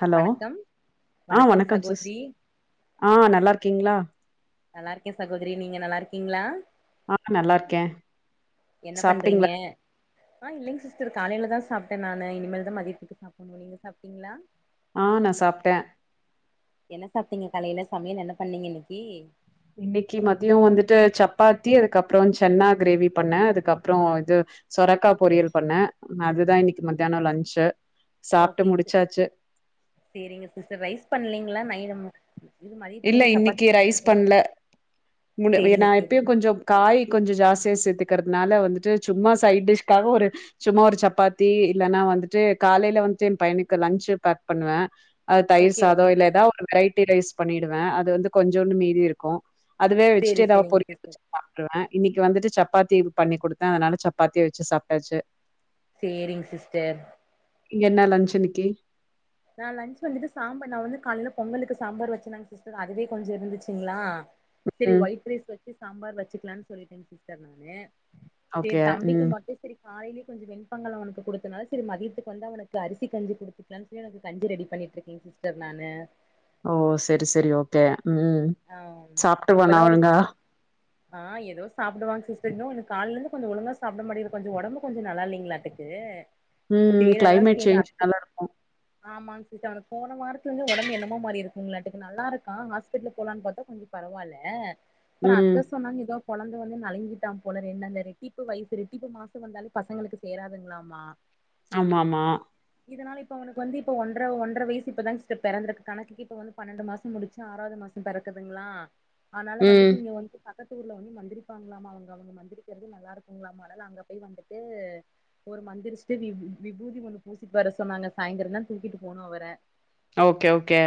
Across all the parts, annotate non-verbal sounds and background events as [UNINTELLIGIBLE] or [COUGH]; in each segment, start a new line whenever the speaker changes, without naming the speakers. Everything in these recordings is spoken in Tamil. ஹலோ
வணக்கம்
ஆ வணக்கம் சிஸ் ஆ நல்லாருக்கிங்ளா
நல்லாருக்கே சகோதரி நீங்க நல்லாருக்கிங்ளா
ஆ நல்லாருக்கே
என்ன பண்றீங்க
சாப்ட்டிங்ளா
ஆ இல்லைங் சிஸ்டர் காலைலதா சாப்ட்ட நானு இனிமேல்தா மதியத்துக்கு சாப்படணு நீங்க சாப்ட்டிங்ளா
ஆ நா சாப்ட்ட
என்ன சாப்ட்டிங்க காலையில சமையல் என்ன பண்ணிங்க இன்னைக்கு
இன்னைக்கு மதிய வந்துட்டு சப்பாத்தி அதுக்கப்ற சன்னா கிரேவி பண்ண அதுக்கப்ற இது சொரக்கா பொரியல் பண்ண அதுதா இன்னைக்கு மதியான லன்ச்சு சாப்ட்டு
ஓகேங் சி
முடிச்சாச்சு
செரிங்க சிஸ்டர் ரைஸ் பண்லிங்ளா நை இது மதியத்துக்கு
இல்ல
வந்து சப்பாத்தி
இன்னைக்கு ரைஸ்
செஞ்சுட்ருக்கே
பண்ல மு நா
சேரிங்க
எப்பயு
சேரிங்க
கொஞ்ச காய் கொஞ்ச ஜாஸ்தியா சேத்து க்கறதுனால வந்துட்டு சும்மா சைடிஷ்க்காக ஒரு சும்மா ஒரு சப்பாத்தி இல்லன்னா வந்துட்டு காலைல வந்துட்டு எம் பையனுக்கு லன்ச்சு பேக் பண்ணுவே அது தயிர்
ஓகே
சாத
ஓகேங்க
இல்ல எதா
சிஸ்டர்
ஒரு வெரைட்டி ரைஸ் குடுத்துடுவே அது வந்து கொஞ்ஜோன்னு மீதி இருக்கும் அதுவே வச்சுட்டு
சேரி
ஏதாவது
சேரிங்க
பொரியல்
சிஸ்டர்
வச்சுட்டு சாப்ட்ருவா இன்னைக்கு வந்துட்டு சப்பா சப்பாத்தி இது பண்ணி கொடுத்தே அதனால சப்பாத்திய வச்சு சாப்ட்டாச்சு
சரிங்க சிஸ்டர்
நீங்க என்ன லன்ச் இன்னிக்கு
நா லன்ச் வந்துட்டு சாம்பார் நான் வந்து காலையில பொங்கலுக்கு சாம்பார் வச்சினாங்க சிஸ்டர் அதுவே கொஞ்சம் இருந்துச்சுங்களா சரி
ம்.
வொயிட் ரைஸ் வச்சி சாம்பார் வச்சுக்கலாம்னு சொல்லிட்டேன் சிஸ்டர் நானு சரி
ஓகே.
தம்பிக்கு
ம்.
மட்டும் சரி காலைலயே கொஞ்சம் வெண்பெங்கல் அவனுக்கு குடுத்தனால சேரி மதியத்துக்கு வந்து அவனுக்கு அரிசி கஞ்சி குடுத்துக்லான்னு எனக்கு கஞ்சி ரெடி பண்ணிட்டு இருக்கேங்க சிஸ்டர் நானு
ஓ சரி சரி ஓகே ம்
ஆ
சாப்ட்டுவானா
இப்பதா ஒரு
ஒழுங்கா
ஆ ஏதோ சாப்டுவாங் சிஸ்டர் இன்னு இ கால்ல இருந்து கொஞ்ச ஒழுங்கா சாப்பிட மாட்டடிங்கது கொஞ்சம் ஒடம்பு கொஞ்சம் நல்லா இல்லைங்களாட்டுக்கு
ம் கிளைமேட் சேஞ்ச் நல்லா இருக்கு
ஆமாங் சிஸ்டர் அவனுக்கு போன வாரத்துல இருந்து ஒடம்பு என்னமோ மாரி இருக்குங்களாட்டுக்கு நல்லா இருக்கா ஹாஸ்பிட்லு போலான்னு பாத்தா கொஞ்ச பரவால்ல அப்பற
ம்.
அத்த சொன்னாங்க ஏதோ கொழந்த வந்து நழுங்கிட்டா போல ரெண்டு அந்த ரெட்டிப்பு வயசு ரெட்டிப்பு மாசம் வந்தாலே பசங்களுக்கு சேராதுங்களாமா
ஆமா ஆமா
இதனால இப்ப அவக்கு வந்து இப்ப ஒன்ற ஒன்றரை வயசு இப்பதான்ங்க சிஸ்டர் பிறந்தருக்கு கணக்குக்கு இப்ப வந்து பன்னண்டு மாசம் முடிச்சு ஆறாவது மாசம் பெறக்குதுங்களா ஆனால
ம்.
வந்துட்டு இங்க வந்து பா பக்கத்து ஊர்ல வந்து மந்திரிப்பாங்களாமா அவங்க அவங்க மந்திரிக்கிறது நல்லா இருக்கும்ங்களாமா அதனால அங்க போய் வந்துட்டு ஒரு மந்திரிச்சுட்டு வி விபூதி ஒண்ணு பூசிட்டு வர சொன்னாங்க சாயந்தரம் தா தூக்கிட்டு போணும் அவர
ஓகே ஓகே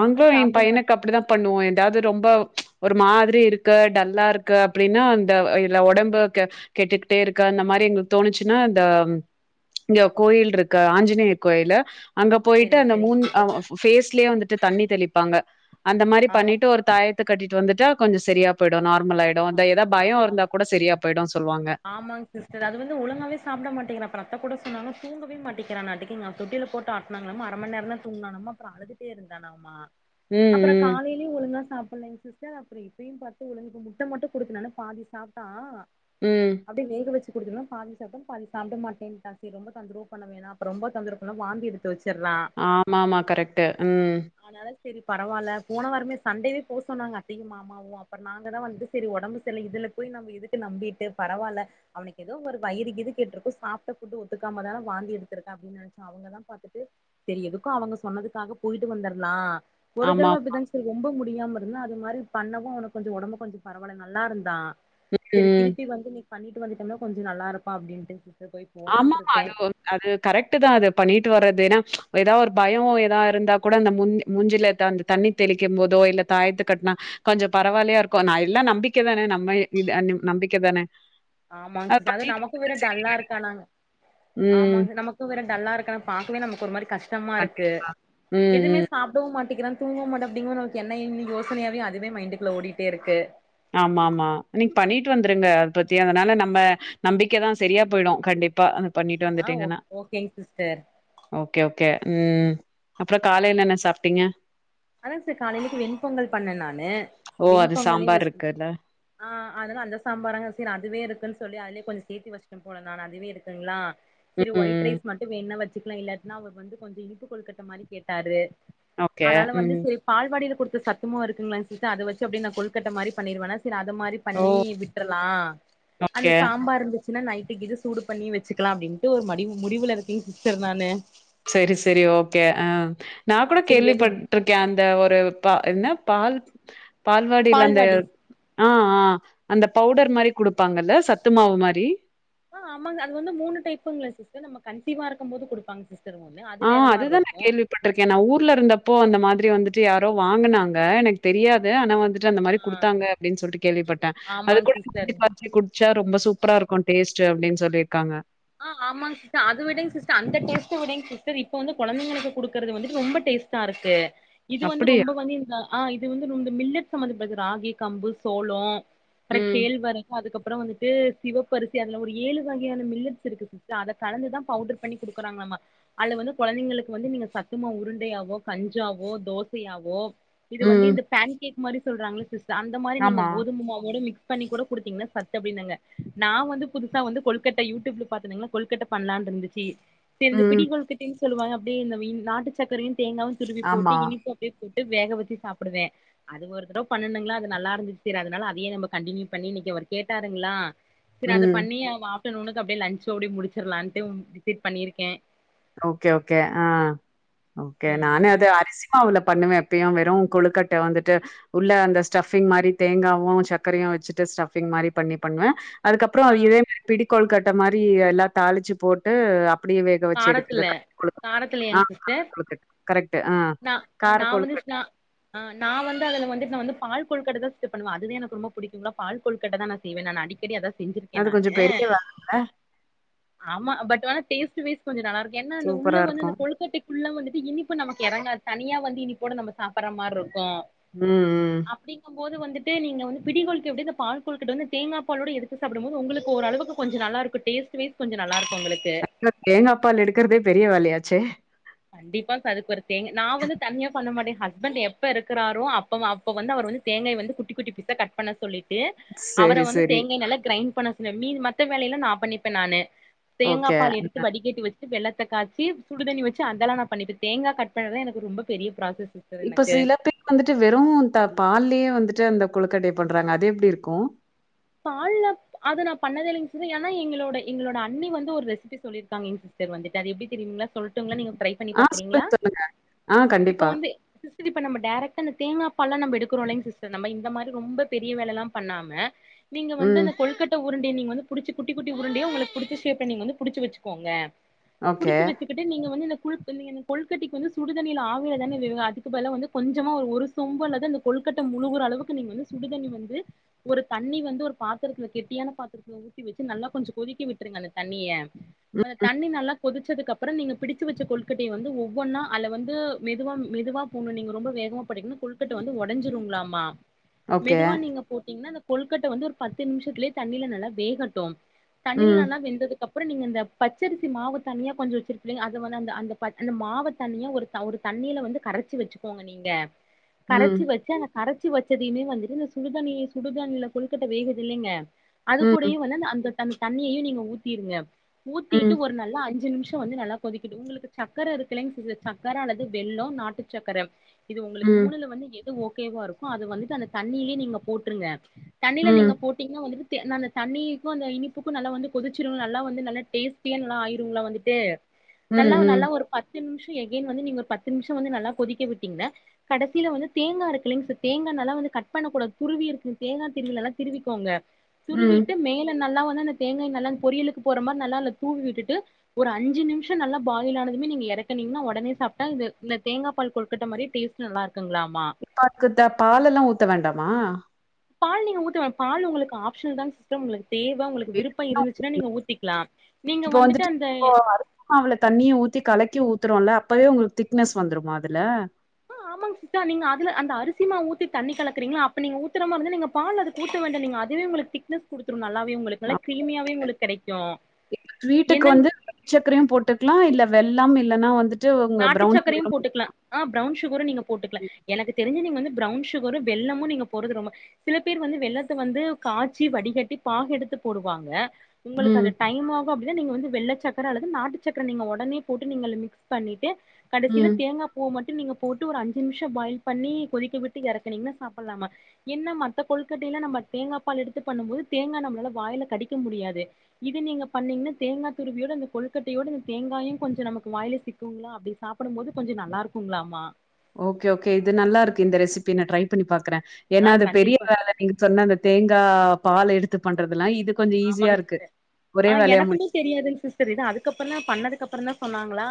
ஒழுங்கா
எ
சாப்ட
பையனுக்கு
மாட்டிக்கிறா
அப்படிதா பண்ணுவோ ஏதாவது ரொம்ப ஒரு மாதிரி இருக்கு டல்லா இருக்கு அப்படின்னா அந்த இதுல ஒடம்பு கெ கெட்டுக்கிட்டே இருக்கு அந்த மாதிரி எங்களுக்கு தோணுச்சுன்னா இந்த இங்க கோயில் இருக்கு ஆஞ்சிநேயர் கோயிலு அங்க போயிட்டு
சரிங்க
அந்த
சரிங்க சிஸ்டர்
அவ பேஸ்லயே வந்துட்டு தண்ணி தெளிப்பாங் ங்க அந்த மாரி
ஆமா
பண்ணிட்டு ஒரு தாயத்த கட்டிட் ட்டு வந்துட்டா கொஞ்ச சரியா போயிடும் நா நார்மலாயிடு அந்த
ஆமா
எதா பயம்
ஆமா
இருந்தா கூட சரியா போயிடு சொல்லுவாங்
ஆமாங் சிஸ்டர் அது வந்து ஒழுங்காவே சாப்பிட மாட்டேங்கிறா அப்ற அத்த கூட சொன்னாங்க தூங்கவே மாட்டிக்கிறானாட்டிக்கு இவங்க தொட்டில போட்டு ஆட்டனாங்களம்மா அர மணி நேரம் தூங்னானாம்மா அப்பற அழுதுட்டே இருந்தானாம்மா
ம்,
அப்பற
ம்,
காலைலயு ஒழுங்கா சாப்புட்லைங் சிஸ் ச்சா அப்பற இப்பயு பாத்து இவனுக்கு முட்ட மட்டு கொடுக்கலானு பாதி சாப்ட்டா
ம்.
அப்டி வேக வச் சி குடுத்தோன பாதி பாதி சாப்ட மாட்டேன்ட்டா சேரி ரொம்ப தொந்தரவு பண்ண வேணா அப்பறம் ரொம்ப தொந்தரவு பண்ணா வாந்தி எடுத்து வச்சி
ஆமா ஆமா கரெக்ட் ம்
சேரி பரவால்ல போன வாரமே சண்டேவே போ சொன்னாங்க அத்தையு மாமாவு அப்பறம் நாங்க தா வந்துட்டு சேரி ஒடம்பு சரில்ல இதுல போய் நம்ப எதுக்கு நம்பிட்டு பரவால்ல அவனுக்கு ஏதோ ஒரு வயிறு கீது கெட்டுருக்கு சாப்ட்ட ஃபுட் ஒத்துக்காம தான வாந்தி எடுத்திருக்க அப்டின்னு நெனைச்சோ அவங்கதா பாத்துட்டு சேரி எதுக்கும் அவங்க சொன்னதுக்காக போயிட்டு வந்தற்லா ஒரு
ஆமா.
தடவை அப்டிதாங் சேரி ரொம்ப முடி முடியாம இருந்தா அது மாரி பண்ணவு அவனக்கு கொஞ்சம் ஒடம்பு கொஞ்சம் பரவால்ல நல்லா இருந்தா
ம் ம்
இன்னிக்கு பண்ணிட்டு வந்துடோம்னா கொஞ்ஜோ நல்லாருப்பா அப்டின்ட்டு போய் போலான்ட்டு
ஆமாமா
இருக்கே
அதுவு அது கரெட்டு தா அது பண்ணிட்டு வறது ஏனா ஏதா ஒரு பயோ ஏதா இருந்தா கூட அந்த முன் மூஞ்சில அந்த தண்ணி தெளிக்க போதோ இல்ல தாயத்து கட்னா கொஞ்ஜோ பரவாலயா இருக்கு நா எல்லா நம்பிக்க தானே நம்ப இது நம்பிக்க தானே
ஆமாங் சிஸ் அது
பண்ணிட்டு
நமக்கு
இருந்தா
வேற டல்லா
சரியாயிடும்.
இருக்கானா
ம்.
ஆமாங்க நமக்கு வேற டல்லா இருக்கா பாக்கவே நமக் ஒருமாரி கஷ் டமா
கண்டி
இருக்கு
ம்,
எதுமே
ம்.
சாப்டவு மாட் கேக்றான் தூங்க மாட்டா [UNINTELLIGIBLE] நமக்கு [UNINTELLIGIBLE] யோசனையாவே அதுவே மைண்டுக்குள்ள ஓடிட்டே இருக்கு
ஆமா ஆமா நீங்க பண்ணிட்டு வந்துருங்க அத பத்தி அதனால நம்ப நம்பிக்கதா சரியா பொயிடு கண்டிப்பா பண்ணிட்டு
ஆ ஓ
வந்துடீங்கன்னா
ஓகேங் சிஸ்டர்
ஓகே ஓகே ம் அப்றோ காலைல என்ன சாப்டீங்க
அதா செரி காலைலிக்கு வெண்பொங்கல் பண்ணே நானு
ஓ! அது
வெண்பொங்கலே
சாம்பார்
வச்
இருக்குல்ல.
ஆஹ் அதெல்லா அந்த சாம்பார அங்க சீர் அதுவே இருக்குன் சொல்லி அதுலயே கொஞ்ஜோ சேத்தி வச்ட்டே போல நானு அதுவே இருக்குங்களா
ம்,
செரி ஒயிட்
ம்.
ரைஸ் மட்டு வேண்னா வச் இல்லாட்னா அவ வந்து கொஞ்ஜோ இனிப்பு கொழுக்கட்ட மாரி கேட்டாரு
ஓகே
அதனால வந்து
ம்.
சே பால்வாடில குடுத் சத்துமாவ் இருக்குனு நெனச்சுட்டு அத வச்சி அப்டியே நா கொழுக்கட்ட மாரி பண்ணிருவேனா செரி அத மாரி
ஓ!
பண்ணி விட்ரலா அந்த
ஓகே.
சாம்பார் இருந் சின்ன நைட்டுக்கு இத சூடு பண்ணி வச்சுக்கலா அப்டின்ட்டு ஒரு மடிவு முடிவுல இருக்கே சிஸ்டர் நானு
செரி செரி ஓகே ஆ நா குட
சரி வெளி
கேள்விபட்ருக்கே அந்த ஒரு பா என்ன பால் பால்வாடில அந்த
பால்வாடி
ஆ ஆ அந்த பவுடர் மாரி குடுப்பாங்கல்ல சத்து மாவு மாரி
ஆஹ் ஆமாங்க அது வந்து மூனு டைப்புங்களா சிஸ்டர் நம்ப கன்சீவா இருக்கும் போது குடுப்பாங்க சிஸ்
ஆஹ் அது தா நா கேள்விப்பட்ருக்கே நா ஊர்ல இருந்தப்போ அந்த மாதிரி வந்து ட்டு யாரோ வாங்குனாங்க எனக்கு தெரியாது ஆனா வந்து அந்த மாரி
ஆ
குடுத்தாங்க அப்டின்னு சொல்ட்டு கேள்விப்பட்டே அது
ஆமாங்க
கூட
சிஸ்டர்
[INAUDIBLE] குடிச்சா ரொம்ப சூப்ரா இருக்கு டேஸ் ச்ச அப்டின்னு சொல்லிர்க்காங்க
ஆ ஆமாங் சிஸ்டர் அது விடங் சிஸ்டர் அந்த டேஸ்ட்டவுடைங் சிஸ்டர் இப்ப வந்து கொழந்தைங்களுக்கு குடுக்குறது வந்துட்டு ரொம்ப டேஸ்ட்டா இருக்கு இது வந்து
அப்படியா?
ரொம்ப வந்து இந்த ஆ இது வந்து ரொம்ப மில்லட் சம்பந்தப்பட்டது ராகி கம்பு சோளோ அர
ம்.
கேள்வரகு அதுக்கப் அப்பறோ வந்துட்டு சிவப்பரிசி அதுல ஒரு ஏழு வகையான மில்லட் இருக்கு சிஸ்டர் அத கலந்து தா பவுடர் பண்ணி குடுக்குறாங்களாமா அது வந்து கொழந்தைங்களுக்கு வந்து நீங்க சத்தமாவு உருண்டையாவோ கஞ்சாவோ தோசையாவோ இது வந்து
ம்.
இந்த பான் கேக் மாரி சொல்றங்கல சிஸ் அந்த மாரி நீங்க
ஆமா.
கோதும மாவோட மிக்ஸ் ப்பண்ணி கூட குடுத்தீங்கன்னா சத்து அப்டின்னாங்க நா வந்து புதுசா வந்து கொழுக்கட்ட யூடியூப்ல பாத்தனீங்கன்னா கொல்கட்ட பண்ணலான்ருந்துச்சு செரி இந்த பிடி
ம்.
கொழுகட்டையு சொல்லுவாங்க அப்டியே இந் நாட்டு சக்கரையு தேங்காவு துருவி போட்டு
ஆமா.
இனிப்பும் அப்டியே போட் வேக வெச்சு சாப்டுவே அது ஒருத்தடவ பண்ணனுங்களா அது நல்லா இருந்துச்சு செரி அதனால அதயே நம்ம கண்டனியூ பண்ணி இன்னிக்கி அவுரு கேட்டாருங்களா செரி அத
ம்.
பண்ணி ஆ ஆப்டநூன்க்கு அப்டியே லஞ்சு சப்டியே முடிச்சிரலான்ட்டு டிசைட் பண்ணிருக்கே
ஓகே ஓகே அ ஓகே நானே அத
ம்
அரிசிமாவுல பண்ணுவே எப்பயு வெறு கொழுக்கட்ட வந்துட்டு உள்ள அந்த ஸ்டபிங் மாரி தேங்காவு சர்கரையு வச்சுட்டு ஸ்டபிங் மாரி பண்ணி பண்ணுவே அதுக்கப்பறோ
ஆ
இதே மாரி பிடி கொழுக்கட்ட மாரி எல்லா தாளிச்சு போட்டு அப் பிடியே வேக வச்சு எடு
த்துல காரத்துலயாங்க சிஸ்டர்
கொழுக்கட்ட கரெக்ட்டு ஆ
நா
கார
நா வந்து
கொழுக்கட்ட
நா அ நா வந்து அதுல வந்துட்டு நா பால் கொழுக்கட்ட தா சிஸ்டர் பண்ணுவே அதுவே எனக்கு ரொம்ப புடிக்குங்களா பால் கொழுக்கட்ட தா செய்வே நா அடிக்கடி அதா செஞ்சிருக்கே
அது கொஞ்சோ
நானு
பெரிய வேலல்ல
ஆமா பட் டேஸ்டுவிஸ் கொஞ்சோ நல்லாருக் ஏன்னா அந்த உள்ள
சூப்பரா
வந்து
இருக்கு
அந்த கொழுக்கட்டைக்குள்ள வந்து து இனிப்பு நமக்கு எறங்காது தனியா வந்து இனிப்போடா நம்ப சாப்புற மாரி ருக் கோ
ம் ம்
அப்பிடிங்கம் போது வந்துட்டு நீங்க வந்து பிடிகொழுக்கு எப்டியோ இந்த பால்கொழுக்காட்ட வந்து தேங்கா பாலோடு ஏடுத்து சாப்புடும் போது உங்களுக்கு ஓர் அளவுக்கு கொஞ்சோ நல்லா இருக்கு டேஸ்டு வைஷ் கொஞ்சே நல்லாருக் உங்களுக்கு
ப்பால் எடுக்கறதே பெரிய வேலையாச்சே
கண்டிப்பா [UNINTELLIGIBLE] தேங் நா வந்து தன்னியா பண்ணமாட்டே ஹஸ்பண்ட் எப்ப இருக்குறாரோ அப்ப அப்ப வந்து அவர் வந்து தேங்காய் வந்து குட்டி குட்டி பிசா கட் பண்ண சொல்லிட் ட்டு அவர
செரி
வந்து
செரி
தேங்காய் நல்லா கிரைண்ட் பண்ண இந் மீன் மத்த வேலையல்லா நா பண்ணிப்பேன் நானு தேங்கா
ஓகே
பால் எடுத்து வடி கேட்டி வச் வெள்ளத்த காச்சி சுடுதண்ணி வச் அதந்தல்லாம் நா பண்ணிப்ப தேங்கா கட்பண்ணுறது எனக்கு ரொம்ப பெரிய ப்ராசஸ் சிஸ்டர்
இப்ப
எனக்கு
சில பேர் வந்துட்டு வெறும் தா பால்லேயே வந்துட்டு அந்த கொழுக்கட்டைய பண்றாங்க அது எப்படி இருக்கோ
பால்ல அது நா பண்ணதேயில்லா ஏன எங்களோட எங்களோட அன்னி வந்து ஒரு ரெசிபி சொல்லிருக்காங்க எங்க சிஸ்டர் வந்துட்டு அது எப்படி தெரியங்களா சொல்லட்டுங்கள நீங்க ட்ரை பண்ணி
ஆ
பாக்குறீங்களா
சொல்லுங் சொல்லுங்க ஆ
இப்ப
கண்டிப்பா
வந்து சிஸ்டர் இப்ப நம்ம டாரெக்டா அந்த தேங்காப்பால்லா நம்ப எடுக்குறோலைங் சிஸ்டர் நம்ம இந்த மாரி ரொம்ப பெரிய வேல எல்லா பண்ணாம நீங்க வந்து
ம்.
இந்த கொழுகட்ட உருண்டிய நீங்க வந்து புடிச்சு குட்டி குட்டி உருண்டயா உங்களுக்கு புடிச்ச சேப்லா நீங்க வந்து புடிச்சு வெச்சுக்கோங்க
ஓகே.
புடிச்சு வெச்சுக்கிட்டு நீங்க வந்து இந்த குழு நீங்க அந்த கொழுகட்டைக்கு வந்து சுடுதண்ணில ஆவில தானே வேகு அதுக்கு பதிலா வந்து கொஞ்சமா ஒரு சொம்பளவு அந்த கொழுகட்ட முழுகற அளவுக்கு நீங்க வந்து சுடுதண்ணி வந்து ஒரு தண்ணி வந் து ஒரு பாத்தரத்துல கெட்டியான பாத்தரத்துல ஊத்தி வச்சு நல்லா கொஞ்ச கொதிக்க விட்ருங்க அந்த தண்ணிய
ம்.
அந்த தண்ணி நல்லா கொதிச்சதுக்கு அப்பற நீங்க பிடிச்சு வெச்ச கொழுக்கட்டைய வந்து ஒவ்வொன்னா அதுல வந்து மெதுவா மெதுவா போணு நீங்க ரொம்ப வேகமா போட்டிங்னா கொழுக்கட்ட வந்து ஒடஞ்சிருங்ளாமா
ஓகே.
மெதுவா நீங்க போட்டிங்னா அந்த கொழுக்கட்ட வந்து ஒரு பத்து நிமிஷத்திலியே தண்ணில நல்லா வேகட்டு தண்ணில
ம்.
நல்லா வெந்தது க்கப்பற நீங்க இந்த பச்சரிசி மாவு தனியா கொஞ்ச வெச்சிருப்பிங்க அத வந்து அந்த அந்த அந்த மாவ தனியா ஒரு ஒரு தண்ணில வந்து கரைச்சி வெச்சுக்கோங்க நீங்க
ம்.
கரைச்சி வெச்சு அந்த கரைச்சி வெச்சதைமே வந்துட்டு இந்த சுடுதண்ணி சுடுதண்ணில கொழுக்கட் ட வேகுதில்லைங்க அது
ம்.
கூடயு வந்து அந்த தம் தண்ணியயு நீங்க ஊத்திருங்க ஊத்திட்டு
ம்.
ஒரு நல்லா அஞ்சு நிம்ஷ் சோ வந்து நல்லா கொதிக்கிட்டு உங்ளுக்கு சக்கர இருக்கு இல்ல சக்கர அல்லது வெல்லோ அல்லது நாட்டு சக்கர இது உங்களுக்கு
ம்.
மூணுல வந்து எது ஒ கேவா இருக்கு அத வந்து அந்த தண்ணிலியே நீங்க போட்ருங்க தண்ணில
ம்.
நீங்க போட்டீங்ன்னா வந்துட்டு ந அந்த தண்ணிக்கு அந்த இனிப்புக்கு நல்லா வந்து கொதிச்சிரு நல்லா வந்து நல்லா டேஸ்டிய நல்லா ஆயிரும்ங்ளா வந்துட்டு
ம்.
நல்லா
ம்.
நல்லா ஒரு பத்து நிம்ஷ் எகேன் வந்து நீங்க ஒரு பத்து நிம்ஷ வந்து நல்லா கொதிக்க விட்டீங்க கடசில வந்து தேங்கா இருக்குல்லைங் தேங்கா நல்ல வந்து கட் கூடாது துருவி இருக்கு தேங்கா திருகுலலா திருவிக்கோங்க
ம்.
துருவிட்டு மேல நல்லா [UNINTELLIGIBLE] [UNINTELLIGIBLE] தேங்காய் நல்லா அந் பொரியலுக்கு போட்ற மாரி நல்லா அல்ல தூவி விட்டுட்டு ஒரு அஞ்சு நிம்ஷோ நல்லா பாயிலானதுமே நீங்க ஏறக்கனீங்கனா ஒடனே சாப்ட்டா இது இந்த தேங்கா பால் கொழ்கட்ட மாரி டேஸ்ட்டு நல்லார்க்
[INAUDIBLE] த பாலெல்லா ஊத்த வேண்டாமா?
பால் நீங்க ஊத்த வே பால் உங்களுக்கு ஆப்ஷனல் தா சிஸ்டம் உங்ளுக் தேவ உங்களுக்கு விருப்ப இருந்துச்சினா நீங்க ஊத்திக்லா நீங்க
இப்ப
வந்துட்டு அந்த
இப்போ த்தரோல்ல அப்பவே உங்களுக்கு திக்னஸ் வந்துருமா அதுல
ஆ ஆமாங் சிஸ்டர் நீங்க அதுல அந்த அரிசிமாவ் ஊத்தி தண்ணி கலக்கறீங்கல்ல அப்ப நீங் ஊத்தர மாவ் வந்து நீங்க பால் அதுக் ஊத்த வேண்டா நீங்க அதுவே உங்களுக்கு திக்னஸ் குடுத்துரு நல்லா வே உங்களுக்கு நல்லா கிரீமியாவே
ஓகே.
உங்களுக் கெடைக்கு
ஸ்வீட்டுக்கு
என்ன [UNINTELLIGIBLE]
ல்லம் இல்லனா வந்துட்
நாட்டு சக்கரையு போட்டுக்கலா ஆ பிரௌன் சுகரு நீங்க போட்டுக்கலா
போட்டுக்கலாம்.
எனக்கு தெ ரிஞ்சு நீங்க வந்து ப்ரௌன் சுகரு வெல்லமு நீங்க போட்றது ரொம்ப சில பேர் வந்து வெல்லத்த வந்து காச்சி வடிகட்டி பாகெடுத்து போடுவாங்க உங்களுக்கு அது
ம்.
டைமா கு அப்டினா நீங்க வந்து வெள்ள சக்கர அல்லது நாட்டுச்சக்கர நீங்க ஒடனே போட்டு நீங்க அல்ல மிக்ஸ் பண்ணிட்டு கடைசில
ம்.
தேங்காய் பூவ் மட் டு நீங்க போட்டு ஒரு அஞ்சு நிம்ஷோ பாயில் பண்ணி கொதிக்க விட்டு எறக்குனீங்னா சாப்பட்லாமா என்ன மத்த கொழ்கட்டைல நம்ம தேங்கா பால் எடுத்து பண்ணும் போது தேங்கா நம்ளால வாய்ல கடிக்க முடியாது இது நீங்க பண்ணீங்னா தேங்கா துருவியோட அந்த கொழுகட்டயோட அந் தேங்காயு கொஞ்சோ நமக்கு வாய்ல சிக் குங்களா அப்டி சாப்படும்போது கொஞ்சோ நல்லாருக்குங்களாமா
ஓகே ஓகே இது நல்லாருக்கு இந்த ரெசிப்பி நா ட்ரை பண்ணி பாக்கறே ஏன்னா
ஆஹ்
அது பெரிய
கண்டிப்பா
வேல நீங்க சொன்ன அந்த தேங் கா பால் எடுத்து பண்ற
ஆமாங் சிஸ்டர் ஆ‌
வேலையா முடி
எனக்குமே தெரியாதுங் சிஸ்டர் இத அதுக்கப்பறந்தா பண்ணதுக்கப்பறந்தா சொன்னாங் களா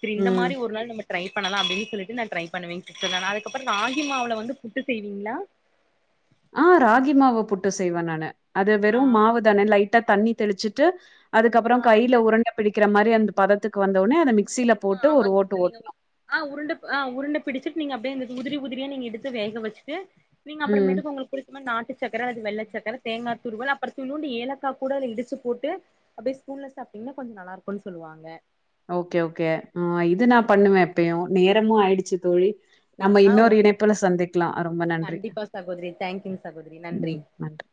செரி இந்த
ம்.
மாரி ஒரு நாள் நம்ம ட்ரை பண்ணலா அப்டின் சொல்லிட்டு நா ட்ரை பண்ணுவேங் சிஸ்டர் நா அதுக்கப்பறோ ராகி மாவுல வந்து புட்டு செய்வீங்ளா
ஆ ராகி மாவு புட்டு செய்வ நானு அது
ஆ
வெறு மாவு தான லை ட்டா தண்ணி தெளிச்சிட்டு அதுக்கப்பறோ
ஆ
கைல உருண்ட பிடிக்கற மாரி அந்த பதத்துக்கு வந்த உட்னே அத மிக்
ஆ ஆமாங் சிஸ்டர் நீங்க உ ஆ உருண்டப் ஆ உருண்ட பிடிச்சிட் நீங்க அப்டே வந்து உதிரி உதிரியா நீங்க எடுத்து வேக வச்சுட்டு நீங்க
ம்.
அப்பறமேட்டுக்கு உங்களுக் புடிச்ச மாரி நாட்டு சக்கர அது வெள்ள சக்கர தேங்கா துருவல் அப்றோ துள்யூண்டு ஏலக்கா கூட அதுல இடிச்சு போட்டு அப்டே ஸ்பூன்ல சாப்ட்டீங்னா கொஞ்சோ நல்லாருக்குன் சொல்லுவாங்க
ஓகேவ் கே ஆ இது நா பண்ணுவே எப்பயு நேரமு ஆயிடுச் சி தோழி நம்ம
ஆ
இன்னொரு
ஓகே
இணைப்புல சந்திக்லாம ரொம்ப நன்றி
கண்டிப்பா சகோதரி தேங்க்யூங்க சகோதரி நன்றி
ம் நன்றி